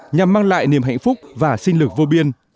nhằm mang lại niềm hạnh phúc và sinh lực vô biên